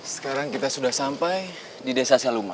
sekarang kita sudah sampai di desa saluma